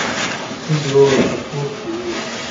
ښځې وویل چې ټول پوهیږي.